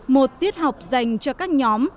một tiết học dành cho các nhóm